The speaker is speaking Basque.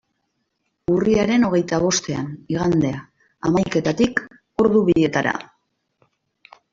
Urriaren hogeita bostean, igandea, hamaiketatik ordu bietara.